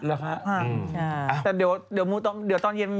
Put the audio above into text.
แต่เดี๋ยวตอนเย็นกินมื้อนัก๓๗๓